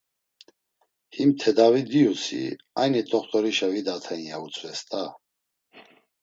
Him tedavi diyusi, ayni t̆oxt̆orişa vidaten, ya utzves da!